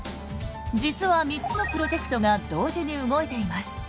実は３つのプロジェクトが同時に動いています。